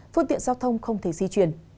phương tiện giao thông không thể di chuyển